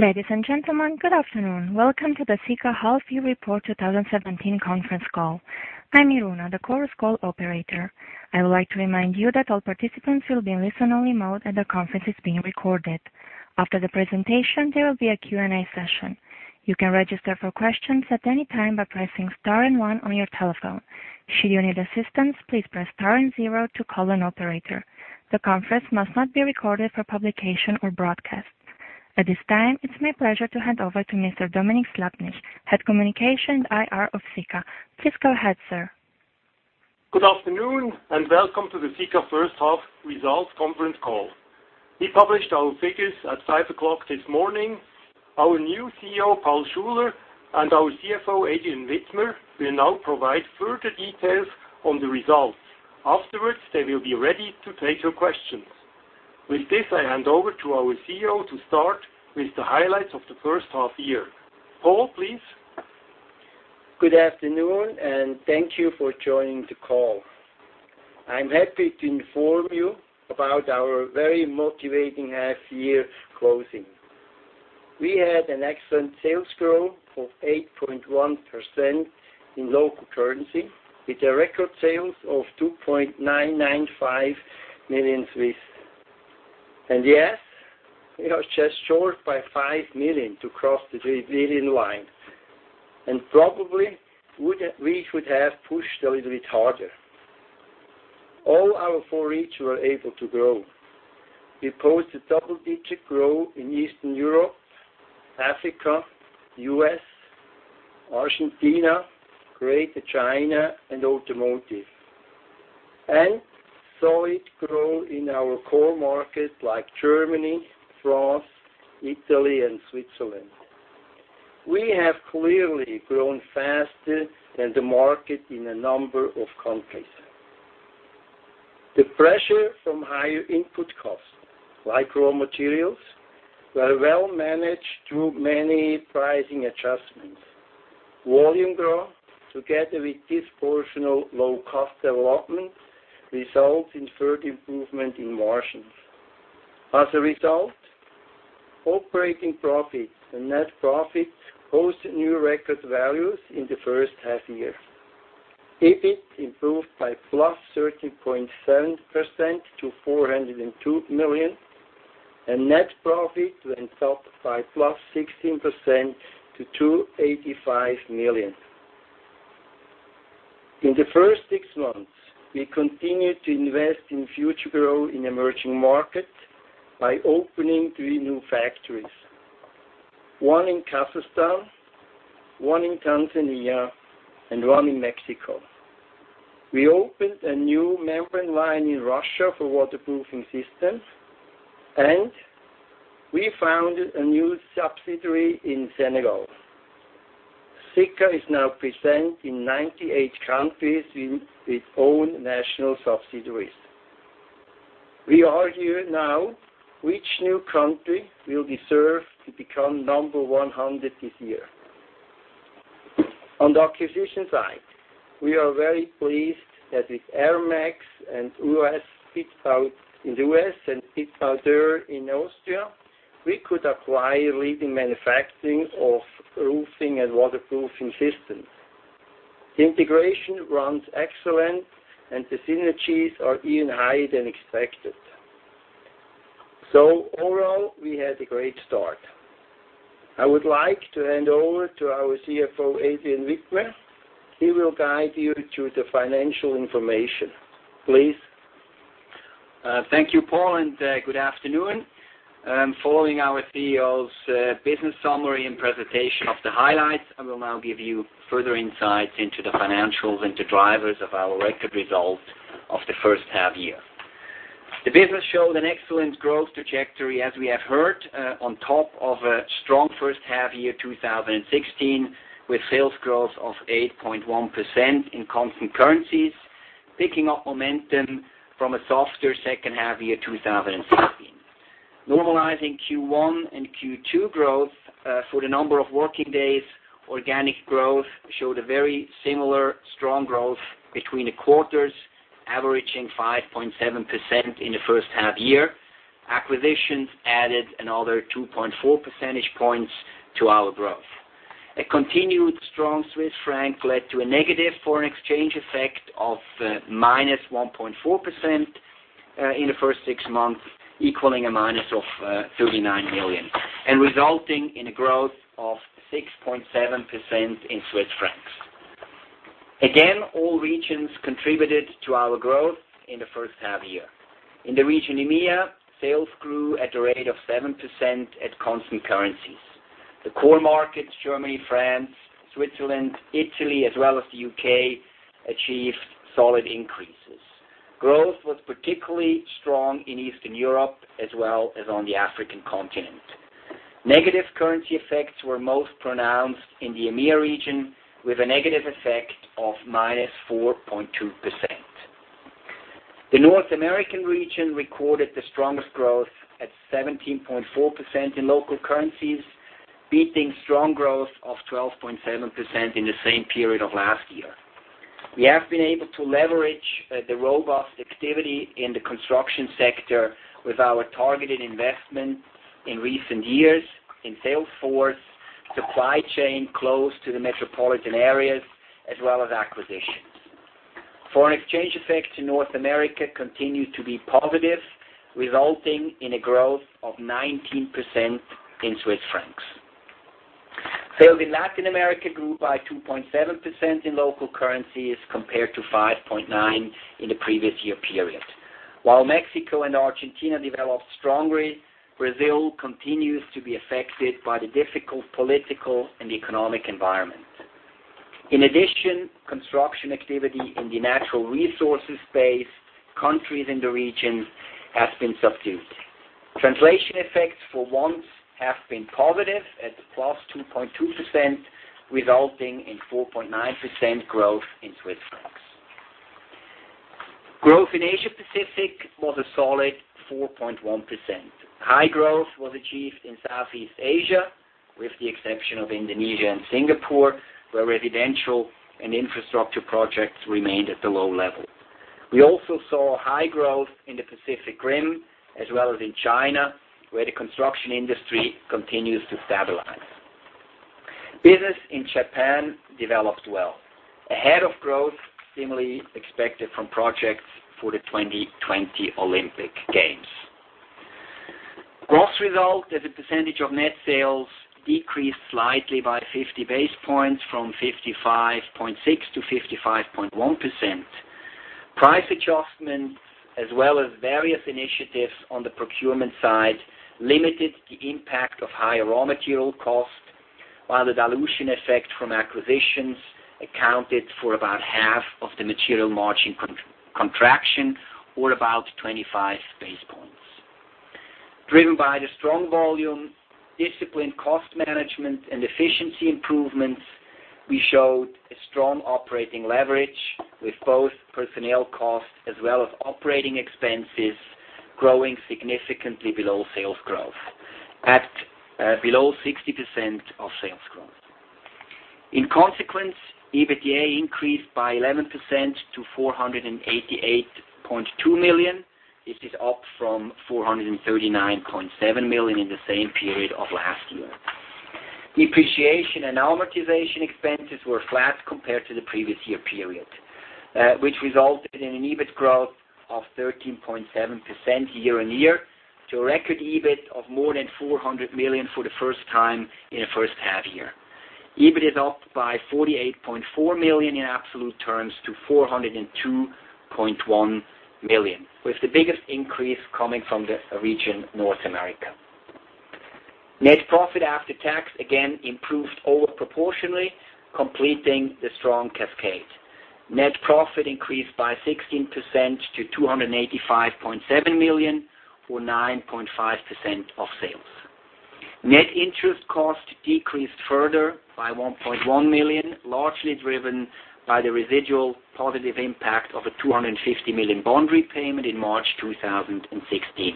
Ladies and gentlemen, good afternoon. Welcome to the Sika Half Year Report 2017 conference call. I'm [Iruna], the Chorus Call operator. I would like to remind you that all participants will be in listen-only mode and the conference is being recorded. After the presentation, there will be a Q&A session. You can register for questions at any time by pressing star and 1 on your telephone. Should you need assistance, please press star and 0 to call an operator. The conference must not be recorded for publication or broadcast. At this time, it's my pleasure to hand over to Mr. Dominik Slappnig, Head of Communication and IR of Sika. Please go ahead, sir. Good afternoon and welcome to the Sika first half results conference call. We published our figures at 5:00 A.M. this morning. Our new CEO, Paul Schuler, and our CFO, Adrian Widmer, will now provide further details on the results. Afterwards, they will be ready to take your questions. With this, I hand over to our CEO to start with the highlights of the first half year. Paul, please. Good afternoon and thank you for joining the call. I'm happy to inform you about our very motivating half-year closing. We had an excellent sales growth of 8.1% in local currency with record sales of 2,995 million. Yes, we are just short by 5 million to cross the 3 billion line, and probably we should have pushed a little bit harder. All our four regions were able to grow. We post a double-digit growth in Eastern Europe, Africa, U.S., Argentina, Greater China and automotive, and solid growth in our core markets like Germany, France, Italy, and Switzerland. We have clearly grown faster than the market in a number of countries. The pressure from higher input costs, like raw materials, were well managed through many pricing adjustments. Volume growth together with disproportionate low-cost development results in further improvement in margins. As a result, operating profit and net profit post new record values in the first half year. EBIT improved by +13.7% to CHF 402 million, and net profit went up by +16% to 285 million. In the first six months, we continued to invest in future growth in emerging markets by opening three new factories, one in Kazakhstan, one in Tanzania, and one in Mexico. We opened a new membrane line in Russia for waterproofing systems, and we founded a new subsidiary in Senegal. Sika is now present in 98 countries with its own national subsidiaries. We are here now, which new country will deserve to become number 100 this year? On the acquisition side, we are very pleased that with Rmax and [U.S. Bitbau] in the U.S. and Bitbau Dörr in Austria, we could acquire leading manufacturing of roofing and waterproofing systems. The integration runs excellent, the synergies are even higher than expected. Overall, we had a great start. I would like to hand over to our CFO, Adrian Widmer. He will guide you through the financial information. Please. Thank you, Paul, and good afternoon. Following our CEO's business summary and presentation of the highlights, I will now give you further insights into the financials and the drivers of our record results of the first half year. The business showed an excellent growth trajectory, as we have heard, on top of a strong first half year 2016, with sales growth of 8.1% in constant currencies, picking up momentum from a softer second half year 2016. Normalizing Q1 and Q2 growth for the number of working days, organic growth showed a very similar strong growth between the quarters, averaging 5.7% in the first half year. Acquisitions added another 2.4 percentage points to our growth. A continued strong Swiss franc led to a negative foreign exchange effect of minus 1.4% in the first six months, equaling a minus of 39 million and resulting in a growth of 6.7% in Swiss francs. All regions contributed to our growth in the first half year. In the region EMEA, sales grew at a rate of 7% at constant currencies. The core markets, Germany, France, Switzerland, Italy, as well as the U.K., achieved solid increases. Growth was particularly strong in Eastern Europe as well as on the African continent. Negative currency effects were most pronounced in the EMEA region, with a negative effect of minus 4.2%. The North American region recorded the strongest growth at 17.4% in local currencies, beating strong growth of 12.7% in the same period of last year. We have been able to leverage the robust activity in the construction sector with our targeted investment in recent years in sales force, supply chain close to the metropolitan areas, as well as acquisitions. Foreign exchange effects in North America continue to be positive, resulting in a growth of 19% in Swiss francs. Sales in Latin America grew by 2.7% in local currencies compared to 5.9% in the previous year period. While Mexico and Argentina developed strongly, Brazil continues to be affected by the difficult political and economic environment. In addition, construction activity in the natural resources base, countries in the region, has been subdued. Translation effects for once have been positive at plus 2.2%, resulting in 4.9% growth in Swiss francs. Growth in Asia Pacific was a solid 4.1%. High growth was achieved in Southeast Asia, with the exception of Indonesia and Singapore, where residential and infrastructure projects remained at a low level. We also saw high growth in the Pacific Rim, as well as in China, where the construction industry continues to stabilize. Business in Japan developed well. Ahead of growth seemingly expected from projects for the 2020 Olympic Games. Gross result as a percentage of net sales decreased slightly by 50 basis points from 55.6% to 55.1%. Price adjustments, as well as various initiatives on the procurement side, limited the impact of higher raw material costs, while the dilution effect from acquisitions accounted for about half of the material margin contraction, or about 25 basis points. Driven by the strong volume, disciplined cost management, and efficiency improvements, we showed a strong operating leverage with both personnel costs as well as operating expenses growing significantly below sales growth, at below 60% of sales growth. In consequence, EBITDA increased by 11% to 488.2 million. This is up from 439.7 million in the same period of last year. Depreciation and amortization expenses were flat compared to the previous year period, which resulted in an EBIT growth of 13.7% year-on-year to a record EBIT of more than 400 million for the first time in a first half year. EBIT is up by 48.4 million in absolute terms to 402.1 million, with the biggest increase coming from the region North America. Net profit after tax again improved over proportionally, completing the strong cascade. Net profit increased by 16% to 285.7 million, or 9.5% of sales. Net interest cost decreased further by 1.1 million, largely driven by the residual positive impact of a 250 million bond repayment in March 2016.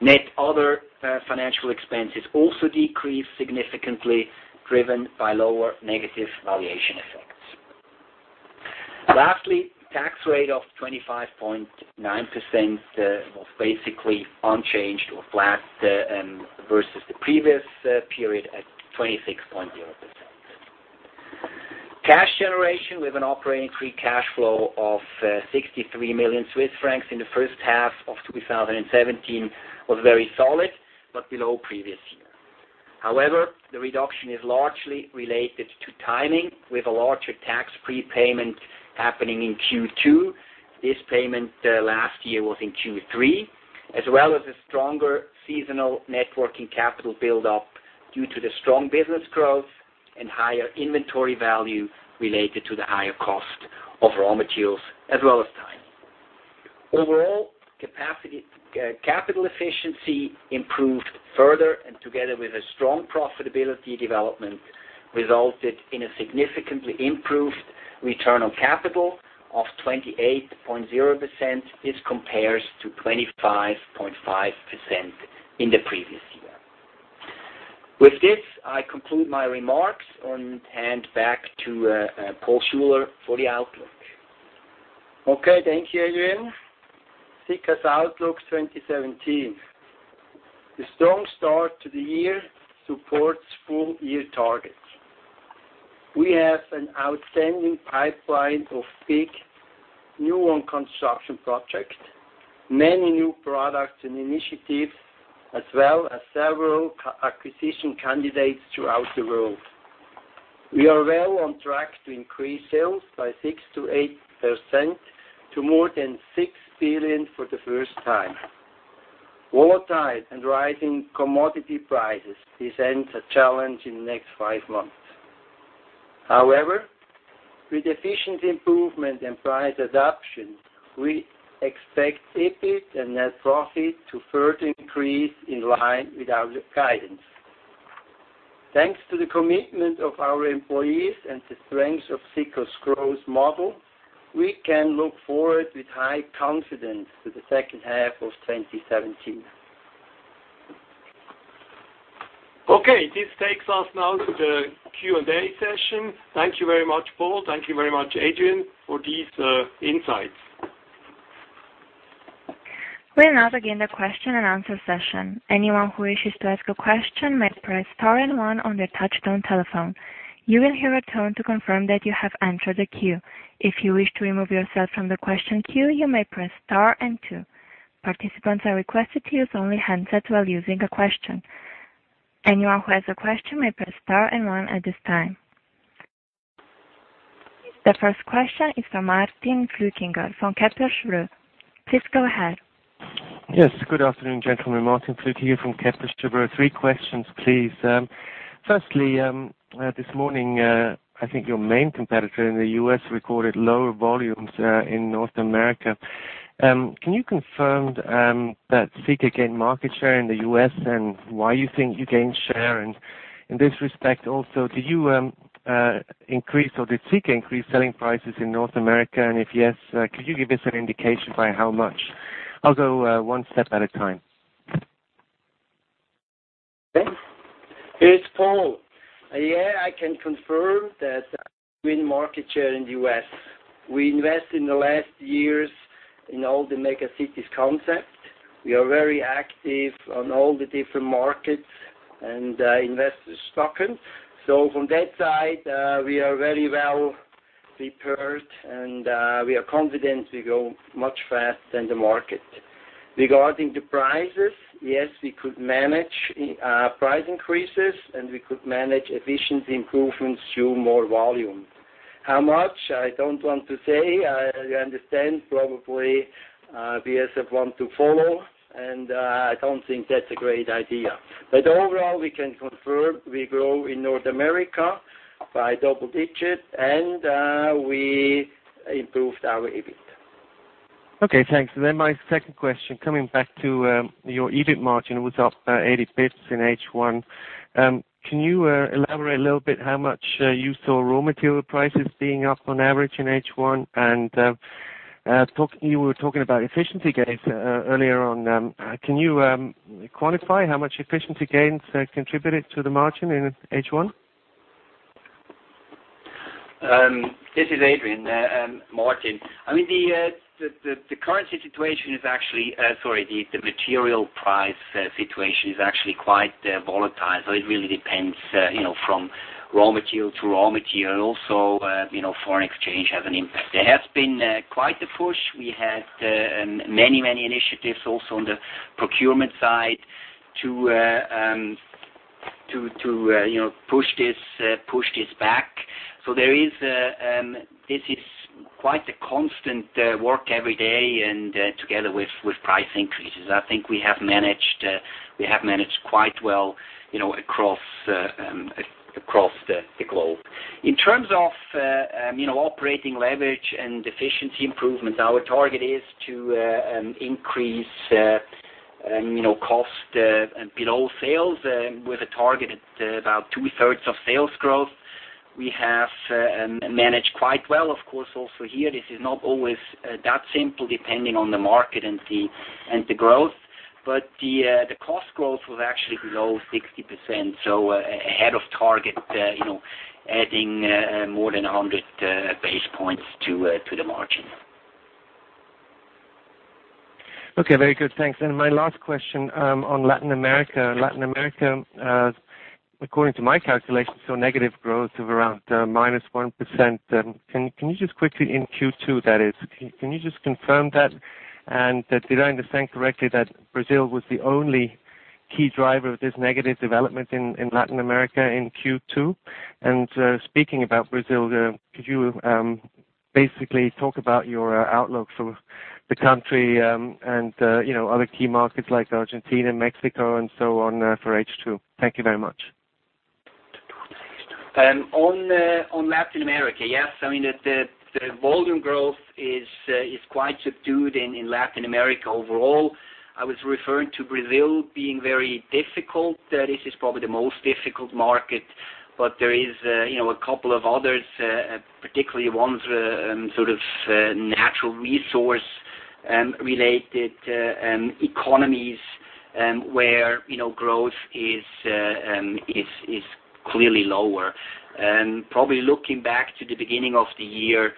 Net other financial expenses also decreased significantly, driven by lower negative valuation effects. Lastly, tax rate of 25.9% was basically unchanged or flat versus the previous period at 26.0%. Cash generation with an operating free cash flow of 63 million Swiss francs in the first half of 2017 was very solid, but below previous year. However, the reduction is largely related to timing, with a larger tax prepayment happening in Q2. This payment last year was in Q3, as well as a stronger seasonal networking capital build-up due to the strong business growth and higher inventory value related to the higher cost of raw materials as well as time. Overall, capital efficiency improved further, and together with a strong profitability development, resulted in a significantly improved return on capital of 28.0%. This compares to 25.5% in the previous year. With this, I conclude my remarks and hand back to Paul Schuler for the outlook. Okay. Thank you, Adrian. Sika's outlook 2017. The strong start to the year supports full-year targets. We have an outstanding pipeline of big new construction projects, many new products and initiatives, as well as several acquisition candidates throughout the world. We are well on track to increase sales by 6%-8% to more than CHF 6 billion for the first time. However, with efficiency improvement and price adaptation, we expect EBIT and net profit to further increase in line with our guidance. Thanks to the commitment of our employees and the strength of Sika's growth model, we can look forward with high confidence to the second half of 2017. Okay. This takes us now to the Q&A session. Thank you very much, Paul. Thank you very much, Adrian, for these insights. We're now beginning the question and answer session. Anyone who wishes to ask a question may press star and one on their touch-tone telephone. You will hear a tone to confirm that you have entered the queue. If you wish to remove yourself from the question queue, you may press star and two. Participants are requested to use only handsets while asking a question. Anyone who has a question may press star and one at this time. The first question is from Martin Flueckiger from Kepler Cheuvreux. Please go ahead. Yes. Good afternoon, gentlemen. Martin Flueckiger here from Kepler Cheuvreux. Three questions, please. Firstly, this morning, I think your main competitor in the U.S. recorded lower volumes in North America. Can you confirm that Sika gained market share in the U.S., and why you think you gained share? In this respect also, did Sika increase selling prices in North America? If yes, could you give us an indication by how much? I'll go one step at a time. It's Paul. Yeah, I can confirm that we gained market share in the U.S. We invest in the last years in all the megacities concept. We are very active on all the different markets and invest [stock in]. From that side, we are very well prepared, and we are confident we grow much faster than the market. Regarding the prices, yes, we could manage price increases, and we could manage efficiency improvements through more volume. How much? I don't want to say. I understand probably BASF want to follow, and I don't think that's a great idea. Overall, we can confirm we grow in North America by double digits, and we improved our EBIT. Okay, thanks. My second question, coming back to your EBIT margin was up 80 basis points in H1. Can you elaborate a little bit how much you saw raw material prices being up on average in H1? You were talking about efficiency gains earlier on. Can you quantify how much efficiency gains contributed to the margin in H1? This is Adrian. Martin, the currency situation is actually, the material price situation is actually quite volatile, so it really depends from raw material to raw material. Also, foreign exchange has an impact. There has been quite a push. We had many initiatives also on the procurement side to push this back. This is quite a constant work every day and together with price increases. I think we have managed quite well across the globe. In terms of operating leverage and efficiency improvement, our target is to increase cost below sales with a target at about two-thirds of sales growth. We have managed quite well, of course. Also here, this is not always that simple, depending on the market and the growth. The cost growth was actually below 60%, so ahead of target adding more than 100 basis points to the margin. Okay. Very good. Thanks. My last question on Latin America. Latin America, according to my calculations, saw negative growth of around -1%. Can you just, in Q2 that is. Can you just confirm that? Did I understand correctly that Brazil was the only key driver of this negative development in Latin America in Q2? Speaking about Brazil, could you basically talk about your outlook for the country and other key markets like Argentina and Mexico and so on for H2? Thank you very much. On Latin America, yes. The volume growth is quite subdued in Latin America overall. I was referring to Brazil being very difficult. This is probably the most difficult market, there is a couple of others, particularly ones sort of natural resource-related economies, where growth is clearly lower. Probably looking back to the beginning of the year,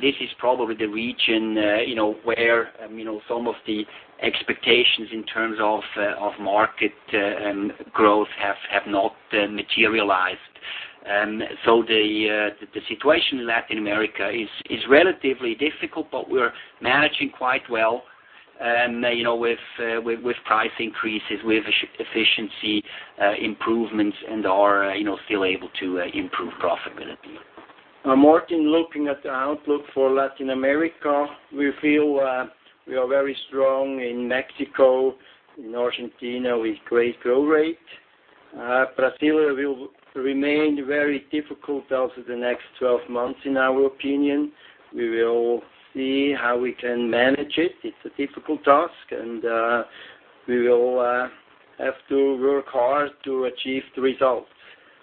this is probably the region where some of the expectations in terms of market growth have not materialized. The situation in Latin America is relatively difficult, we're managing quite well with price increases, with efficiency improvements, and are still able to improve profitability. Martin, looking at the outlook for Latin America, we feel we are very strong in Mexico, in Argentina, with great growth rate. Brazil will remain very difficult over the next 12 months, in our opinion. We will see how we can manage it. It's a difficult task, we will have to work hard to achieve the results.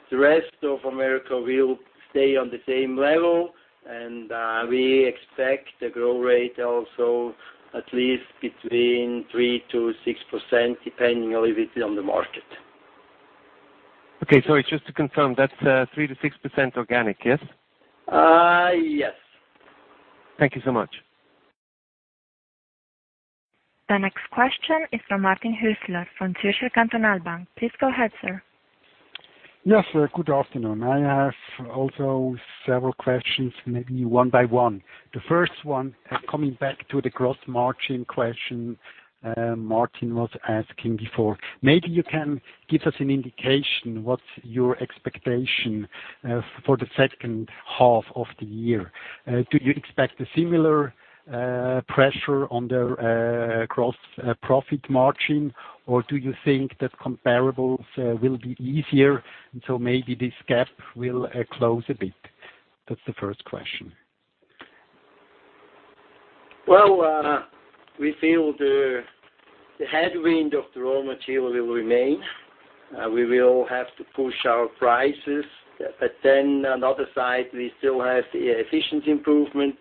The rest of America will stay on the same level, and we expect the growth rate also at least between 3%-6%, depending a little bit on the market. Okay. Sorry, just to confirm, that's 3%-6% organic, yes? Yes. Thank you so much. The next question is from Martin Hüsler from Zürcher Kantonalbank. Please go ahead, sir. Yes, good afternoon. I have also several questions, maybe one by one. The first one, coming back to the gross margin question Martin was asking before. You can give us an indication, what's your expectation for the second half of the year? Do you expect a similar pressure on the gross profit margin, or do you think that comparables will be easier, maybe this gap will close a bit? That's the first question. We feel the headwind of the raw material will remain. We will have to push our prices. On the other side, we still have the efficiency improvement.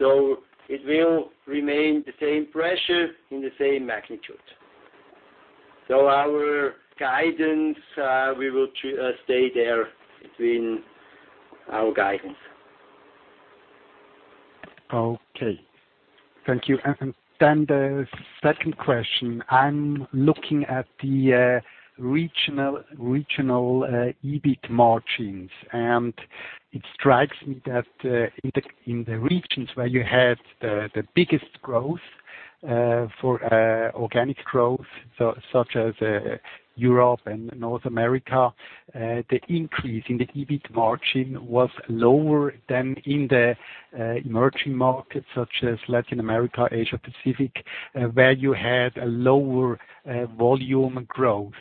It will remain the same pressure in the same magnitude. Our guidance, we will stay there between our guidance. Okay. Thank you. The second question, I'm looking at the regional EBIT margins, it strikes me that in the regions where you had the biggest growth for organic growth, such as Europe and North America, the increase in the EBIT margin was lower than in the emerging markets such as Latin America, Asia-Pacific, where you had a lower volume growth.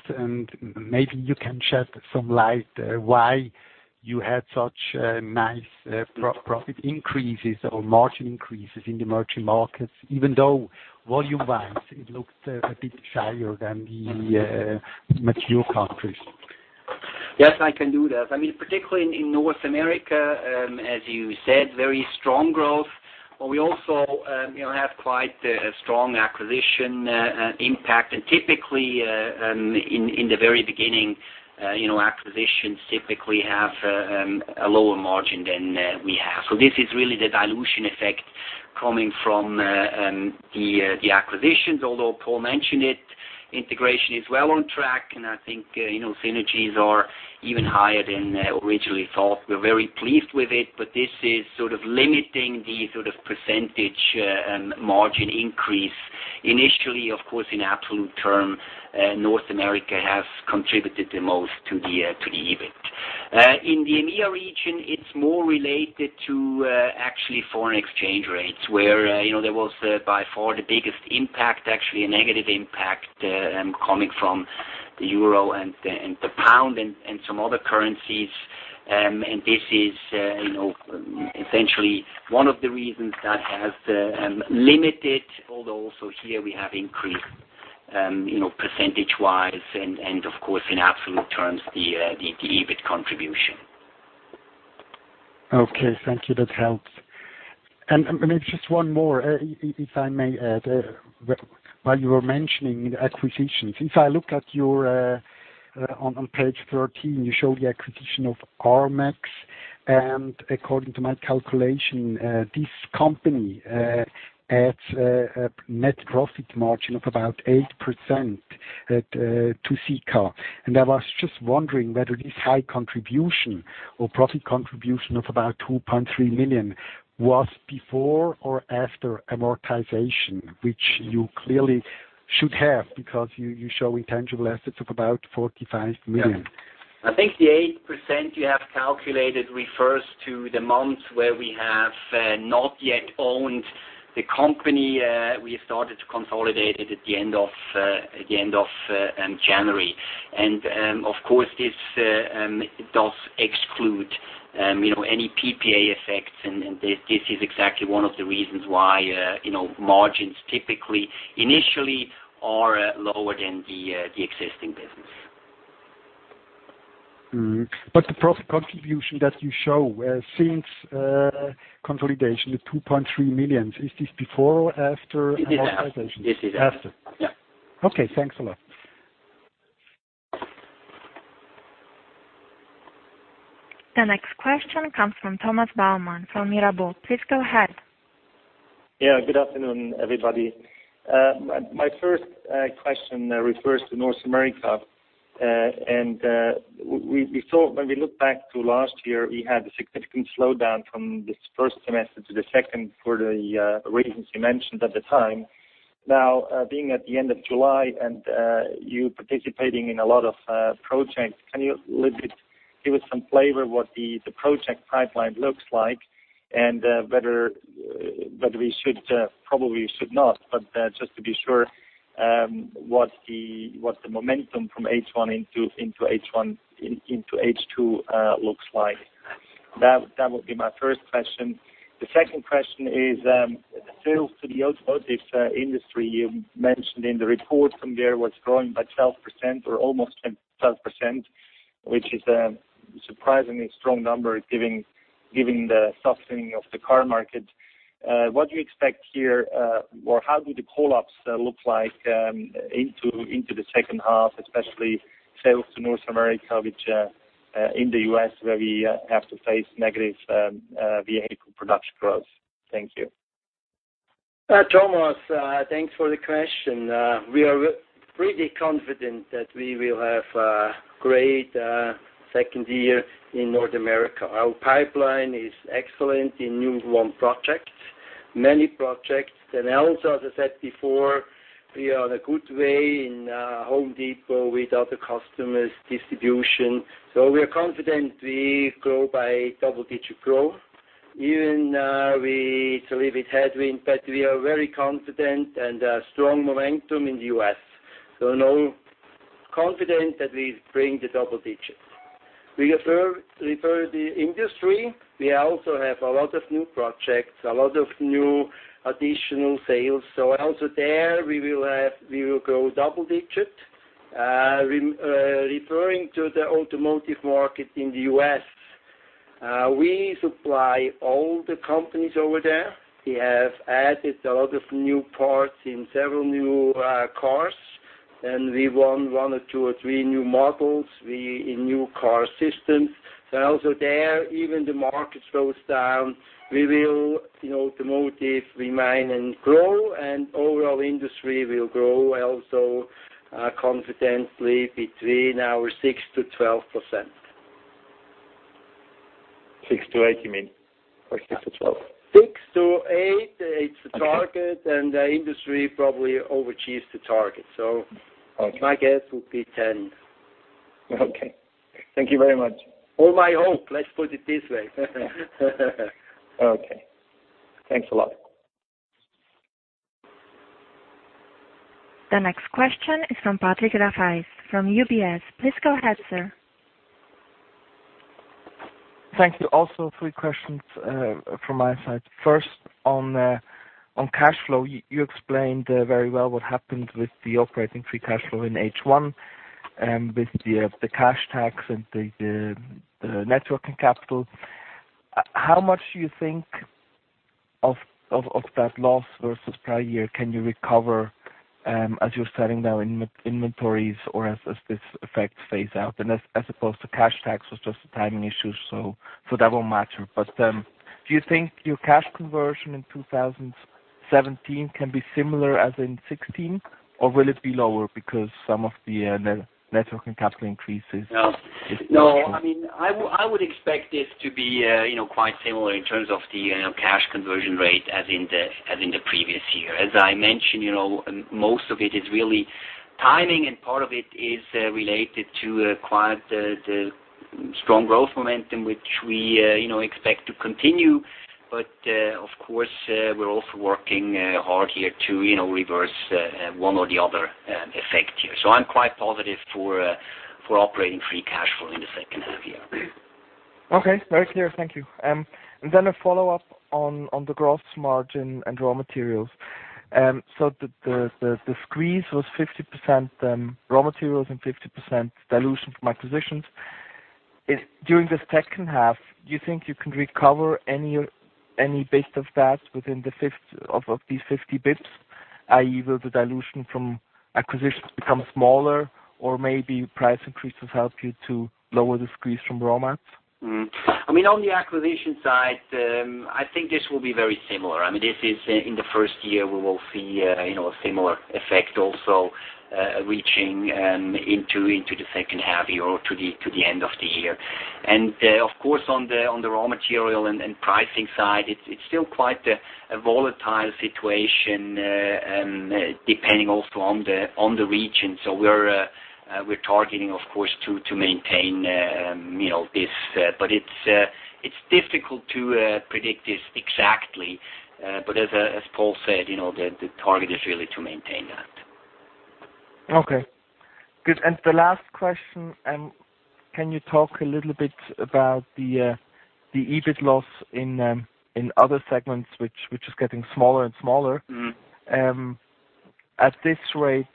Maybe you can shed some light why you had such nice profit increases or margin increases in the emerging markets, even though volume-wise it looks a bit shyer than the mature countries. Yes, I can do that. I mean, particularly in North America, as you said, very strong growth. We also have quite a strong acquisition impact. Typically, in the very beginning, acquisitions typically have a lower margin than we have. This is really the dilution effect coming from the acquisitions. Although Paul mentioned it, integration is well on track, and I think synergies are even higher than originally thought. We're very pleased with it, this is sort of limiting the percentage margin increase. Initially, of course, in absolute term, North America has contributed the most to the EBIT. In the EMEA region, it's more related to actually foreign exchange rates, where there was by far the biggest impact, actually a negative impact, coming from the euro and the pound and some other currencies. This is essentially one of the reasons that has limited, although also here we have increased percentage-wise and of course, in absolute terms, the EBIT contribution. Okay. Thank you. That helps. Maybe just one more, if I may add. While you were mentioning acquisitions, if I look at your-- on page 13, you show the acquisition of Airmax, according to my calculation, this company adds a net profit margin of about 8% to Sika. I was just wondering whether this high contribution or profit contribution of about 2.3 million was before or after amortization, which you clearly should have because you show intangible assets of about 45 million. I think the 8% you have calculated refers to the months where we have not yet owned the company. We started to consolidate it at the end of January. Of course, this does exclude any PPA effects, this is exactly one of the reasons why margins typically initially are lower than the existing business. The profit contribution that you show since consolidation, the 2.3 million, is this before or after amortization? This is after. After. Yeah. Okay, thanks a lot. The next question comes from Thomas Baumann from Mirabaud. Please go ahead. Yeah, good afternoon, everybody. My first question refers to North America. We thought when we look back to last year, we had a significant slowdown from this first semester to the second for the reasons you mentioned at the time. Now, being at the end of July and you participating in a lot of projects, can you a little bit give us some flavor what the project pipeline looks like and whether we should, probably should not, but just to be sure, what the momentum from H1 into H2 looks like? That would be my first question. The second question is, the sales to the automotive industry, you mentioned in the report from there was growing by 12% or almost 10, 12%, which is a surprisingly strong number given the softening of the car market. What do you expect here? how do the pull-ups look like into the second half, especially sales to North America, which, in the U.S., where we have to face negative vehicle production growth. Thank you. Thomas, thanks for the question. We are pretty confident that we will have a great second year in North America. Our pipeline is excellent in new won projects, many projects. Also, as I said before, we are on a good way in The Home Depot with other customers distribution. We are confident we grow by double-digit growth. We are very confident and strong momentum in the U.S. Confident that we bring the double digits. We refer the industry. We also have a lot of new projects, a lot of new additional sales. Also there, we will grow double-digit. Referring to the automotive market in the U.S., we supply all the companies over there. We have added a lot of new parts in several new cars, we won one or two or three new models in new car systems. Also there, even the market goes down, we will, in automotive, remain and grow, and overall industry will grow also confidently between our 6%-12%. Six to eight, you mean? 6 to 12? Six to eight. Okay. It's a target, The industry probably overachieves the target. Okay my guess would be 10. Okay. Thank you very much. All my hope. Let's put it this way. Okay. Thanks a lot. The next question is from Patrick Rafaisz from UBS. Please go ahead, sir. Thank you. Also three questions from my side. First, on cash flow. You explained very well what happened with the operating free cash flow in H1 with the cash tax and the net working capital. How much do you think of that loss versus prior year can you recover as you're selling down inventories or as this effect phase out? As opposed to cash tax was just a timing issue, so that won't matter. Do you think your cash conversion in 2017 can be similar as in 2016? Or will it be lower because some of the net working capital increases- No. Is pushing? I would expect this to be quite similar in terms of the cash conversion rate as in the previous year. As I mentioned, most of it is really timing, and part of it is related to quite the strong growth momentum which we expect to continue. Of course, we are also working hard here to reverse one or the other effect here. I'm quite positive for operating free cash flow in the second half year. Very clear. Thank you. A follow-up on the gross margin and raw materials. The squeeze was 50% raw materials and 50% dilution from acquisitions. During this second half, do you think you can recover any bit of that within the fifth of these 50 basis points? Either the dilution from acquisitions become smaller or maybe price increases help you to lower the squeeze from raw mats? On the acquisition side, I think this will be very similar. This is in the first year, we will see a similar effect also reaching into the second half year or to the end of the year. Of course, on the raw material and pricing side, it's still quite a volatile situation, depending also on the region. We're targeting, of course, to maintain this. It's difficult to predict this exactly. As Paul said, the target is really to maintain that. Okay. Good. The last question. Can you talk a little bit about the EBIT loss in other segments, which is getting smaller and smaller? At this rate,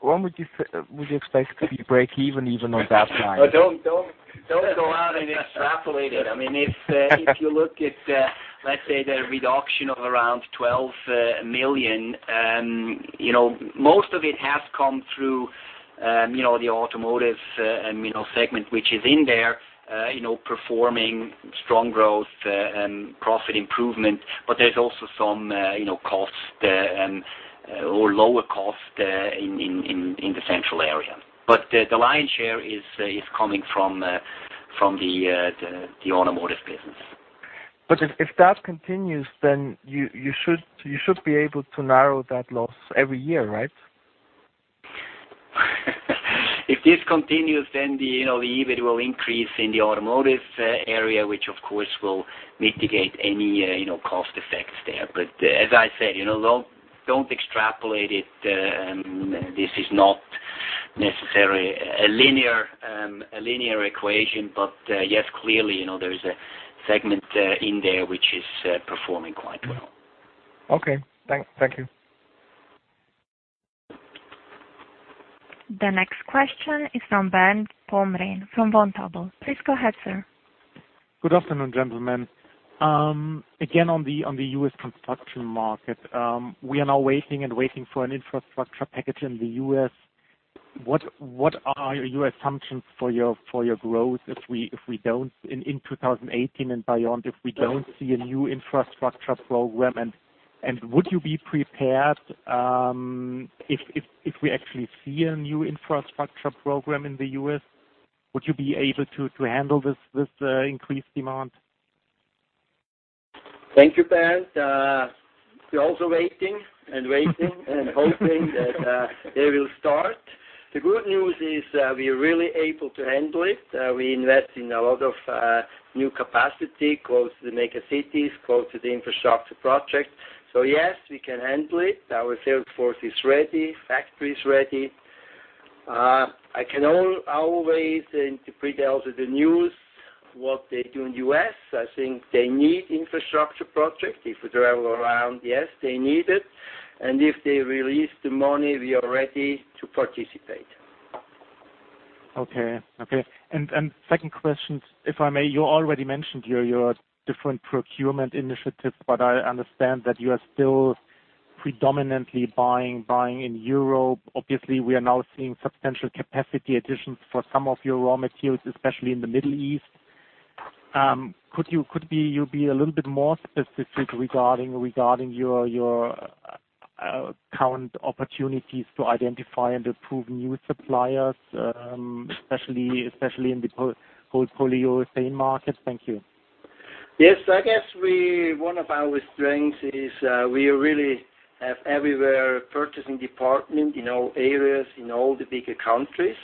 when would you expect to be break-even, even on that line? Don't go out and extrapolate it. If you look at, let's say, the reduction of around 12 million, most of it has come through the automotive segment, which is in there performing strong growth and profit improvement. There's also some costs or lower cost in the central area. The lion's share is coming from the automotive business. If that continues, then you should be able to narrow that loss every year, right? If this continues, the EBIT will increase in the automotive area, which of course, will mitigate any cost effects there. As I said, don't extrapolate it. This is not necessarily a linear equation. Yes, clearly, there is a segment in there which is performing quite well. Okay. Thank you. The next question is from Bernd Pomrehn from Vontobel. Please go ahead, sir. Good afternoon, gentlemen. Again, on the U.S. construction market. We are now waiting and waiting for an infrastructure package in the U.S. What are your assumptions for your growth in 2018 and beyond, if we don't see a new infrastructure program? Would you be prepared if we actually see a new infrastructure program in the U.S., would you be able to handle this increased demand? Thank you, Bernd. We're also waiting and waiting and hoping that they will start. The good news is we are really able to handle it. We invest in a lot of new capacity, close to the megacities, close to the infrastructure project. Yes, we can handle it. Our sales force is ready, factory is ready. I can always interpret out of the news what they do in U.S. I think they need infrastructure project. If we travel around, yes, they need it. If they release the money, we are ready to participate. Okay. Second question, if I may. You already mentioned your different procurement initiatives, but I understand that you are still predominantly buying in Europe. Obviously, we are now seeing substantial capacity additions for some of your raw materials, especially in the Middle East. Could you be a little bit more specific regarding your current opportunities to identify and approve new suppliers, especially in the polyurethane market? Thank you. Yes, I guess one of our strengths is we really have everywhere purchasing department in all areas, in all the bigger countries.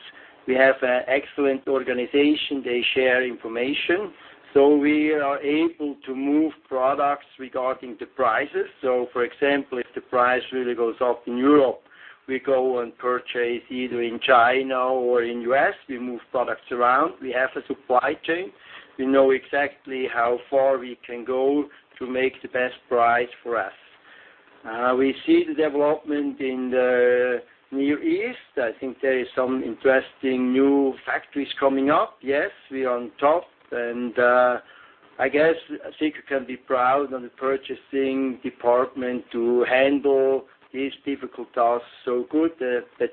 We have excellent organization. They share information, we are able to move products regarding the prices. For example, if the price really goes up in Europe, we go and purchase either in China or in U.S. We move products around. We have a supply chain. We know exactly how far we can go to make the best price for us. We see the development in the Near East. I think there is some interesting new factories coming up. Yes, we are on top. I guess Sika can be proud on the purchasing department to handle these difficult tasks so good.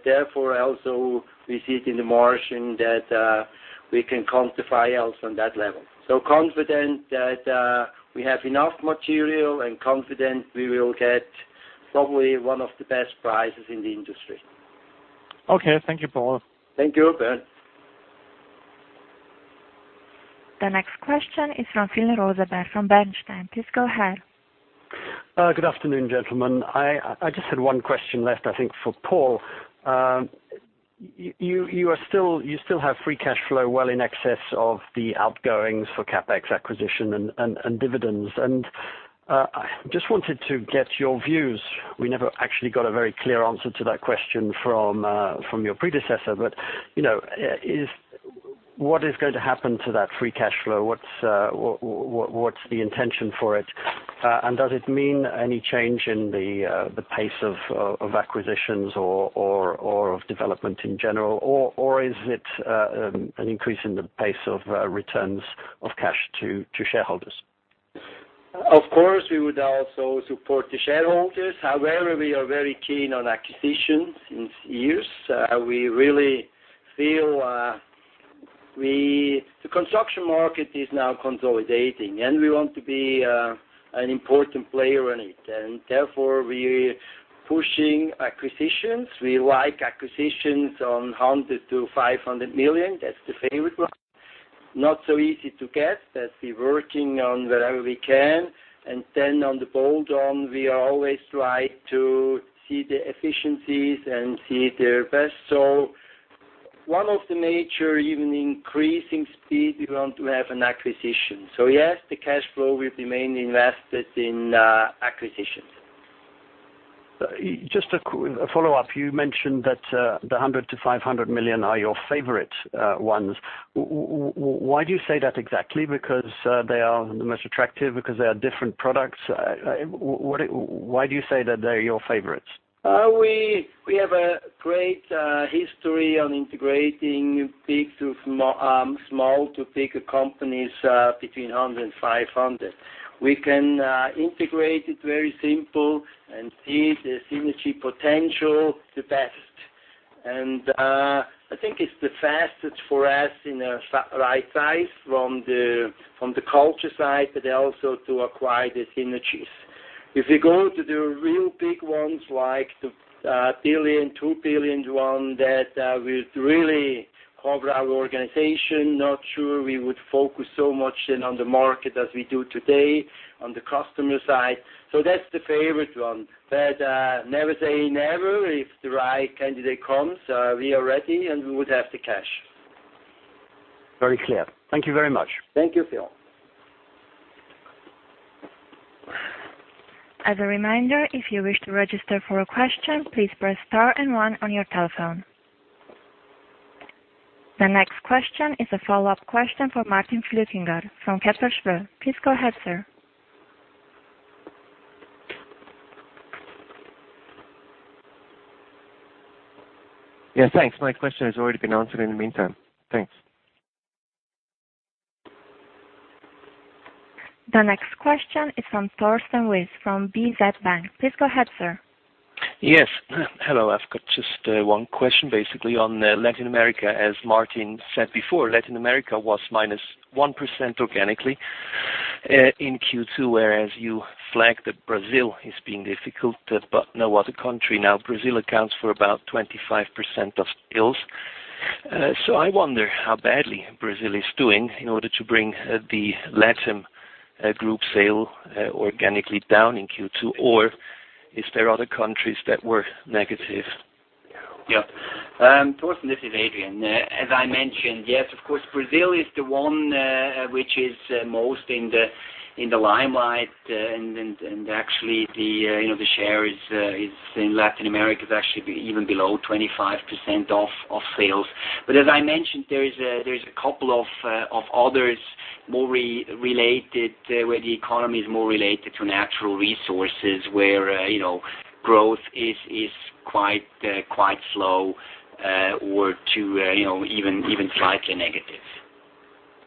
Therefore, also we see it in the margin that we can quantify else on that level. Confident that we have enough material and confident we will get probably one of the best prices in the industry. Okay. Thank you, Paul. Thank you, Bernd. The next question is from Phil Roseberg from Bernstein. Please go ahead. Good afternoon, gentlemen. I just had one question left, I think, for Paul. You still have free cash flow well in excess of the outgoings for CapEx acquisition and dividends. I just wanted to get your views. We never actually got a very clear answer to that question from your predecessor. What is going to happen to that free cash flow? What's the intention for it? Does it mean any change in the pace of acquisitions or of development in general, or is it an increase in the pace of returns of cash to shareholders? Of course, we would also support the shareholders. However, we are very keen on acquisitions in years. We really feel the construction market is now consolidating, therefore we pushing acquisitions. We like acquisitions of 100 million-500 million. That's the favorite one. Not so easy to get, but we working on wherever we can. On the bolt-on, we always try to see the efficiencies and see their best. One of the major, even increasing speed, we want to have an acquisition. Yes, the cash flow will remain invested in acquisitions. Just a follow-up. You mentioned that the 100 million-500 million are your favorite ones. Why do you say that exactly? Because they are the most attractive, because they are different products? Why do you say that they are your favorites? We have a great history on integrating small to bigger companies between 100 million and 500 million. We can integrate it very simple and see the synergy potential the best. I think it's the fastest for us in the right size from the culture side, but also to acquire the synergies. If we go to the real big ones, like the 1 billion, 2 billion one, that will really cover our organization. Not sure we would focus so much then on the market as we do today on the customer side. That's the favorite one. Never say never. If the right candidate comes, we are ready and we would have the cash. Very clear. Thank you very much. Thank you, Phil. As a reminder, if you wish to register for a question, please press star and one on your telephone. The next question is a follow-up question from Martin Flueckiger from Kepler Cheuvreux. Please go ahead, sir. Yeah, thanks. My question has already been answered in the meantime. Thanks. The next question is from Torsten Wyss from BZ Bank. Please go ahead, sir. Yes. Hello. I've got just one question basically on Latin America. As Martin said before, Latin America was minus 1% organically in Q2, whereas you flagged that Brazil is being difficult, but no other country. Brazil accounts for about 25% of sales. I wonder how badly Brazil is doing in order to bring the LatAm group sale organically down in Q2, or are there other countries that were negative? Yeah. Thorsten, this is Adrian. As I mentioned, yes, of course, Brazil is the one which is most in the limelight, and actually the share in Latin America is actually even below 25% of sales. As I mentioned, there is a couple of others where the economy is more related to natural resources, where growth is quite slow or to even slightly negative.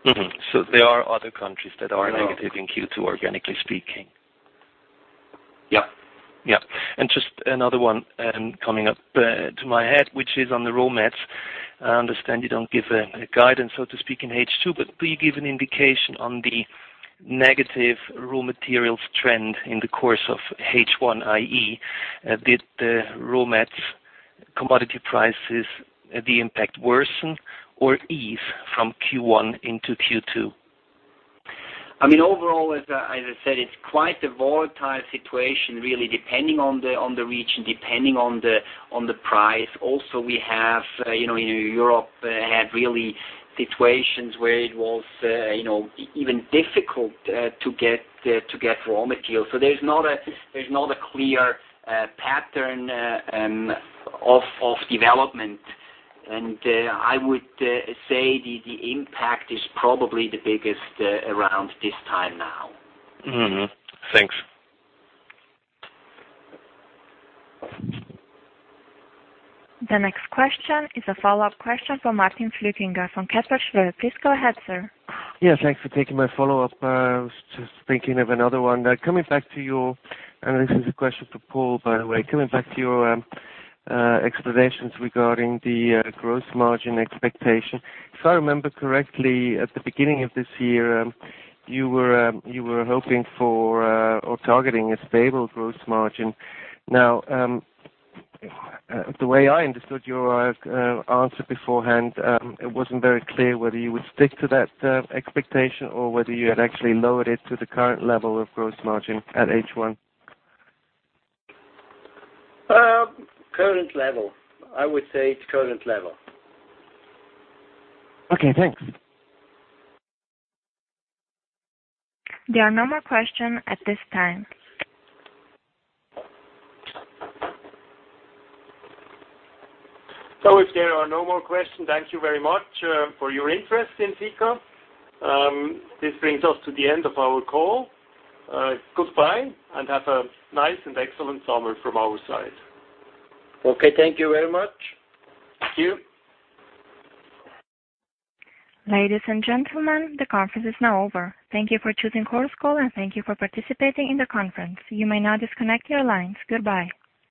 Mm-hmm. There are other countries that are negative. There are. in Q2, organically speaking. Yeah. Yeah. Just another one coming up to my head, which is on the raw mats. I understand you don't give a guidance, so to speak, in H2, please give an indication on the negative raw materials trend in the course of H1, i.e., did the raw mats commodity prices, the impact worsen or ease from Q1 into Q2? Overall, as I said, it's quite a volatile situation, really, depending on the region, depending on the price. Also, we in Europe had really situations where it was even difficult to get raw material. There's not a clear pattern of development, and I would say the impact is probably the biggest around this time now. Mm-hmm. Thanks. The next question is a follow-up question from Martin Flueckiger from Kepler Cheuvreux. Please go ahead, sir. Yeah, thanks for taking my follow-up. I was just thinking of another one. This is a question for Paul, by the way. Coming back to your explanations regarding the gross margin expectation. If I remember correctly, at the beginning of this year, you were hoping for or targeting a stable gross margin. The way I understood your answer beforehand, it wasn't very clear whether you would stick to that expectation or whether you had actually lowered it to the current level of gross margin at H1. Current level. I would say it's current level. Okay, thanks. There are no more questions at this time. If there are no more questions, thank you very much for your interest in Sika. This brings us to the end of our call. Goodbye, and have a nice and excellent summer from our side. Okay, thank you very much. Thank you. Ladies and gentlemen, the conference is now over. Thank you for choosing Chorus Call, and thank you for participating in the conference. You may now disconnect your lines. Goodbye.